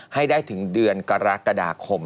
ให้ได้ถึงเดือนกรกฎาคม